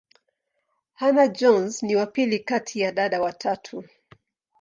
Hannah-Jones ni wa pili kati ya dada watatu.